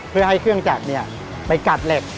เพื่อให้เครื่องจักรไปกัดเหล็ก